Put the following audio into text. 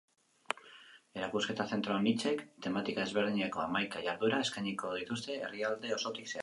Erakusketa zentro anitzek tematika desberdineko hamaika jarduera eskainiko dituzte herrialde osotik zehar.